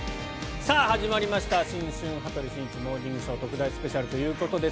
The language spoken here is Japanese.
始まりました新春「羽鳥慎一モーニングショー」特大スペシャルということです。